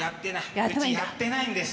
うちやってないんです。